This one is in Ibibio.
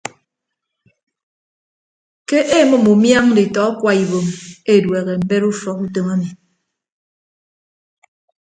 Ke emʌm umiañ nditọ akwa ibom edueehe mbet ufọk utom emi.